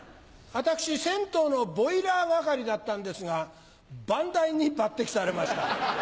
私銭湯のボイラー係だったんですが番台に抜擢されました。